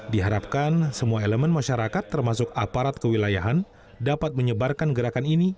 diharapkan semua elemen masyarakat termasuk aparat kewilayahan dapat menyebarkan gerakan ini